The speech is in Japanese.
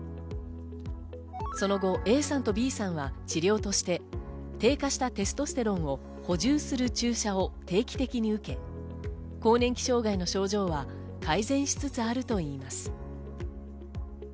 その後、ＡさんとＢさんは治療として、低下したテストステロンを補充する注射を定期的に受け、更年期障害の症状は改善しつつあるといいます。